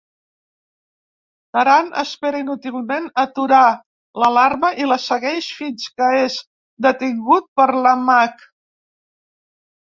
Taran espera inútilment aturar l'alarma i la segueix fins que és detingut per la Magg.